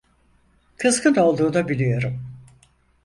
Kızgın olduğunu biliyorum.